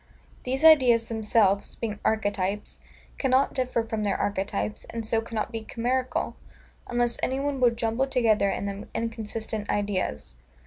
These ideas themselves, being archetypes, cannot differ from their archetypes, and so cannot be chimerical, unless any one will jumble together in them inconsistent ideas.